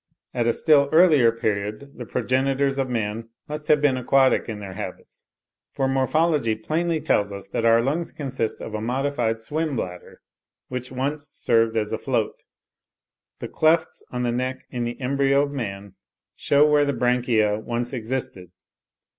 At a still earlier period the progenitors of man must have been aquatic in their habits; for morphology plainly tells us that our lungs consist of a modified swim bladder, which once served as a float. The clefts on the neck in the embryo of man shew where the branchiae once existed.